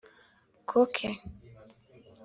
Koke